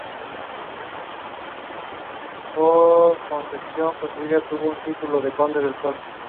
The specific epithet ("pumilio") means "dwarf".